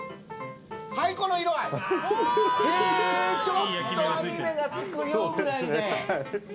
ちょっと網目がつくよぐらいで。